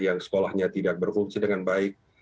yang sekolahnya tidak berfungsi dengan baik